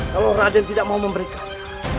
kalau rade tidak mau memberikannya